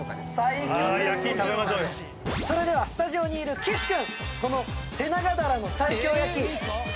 それではスタジオにいる岸君。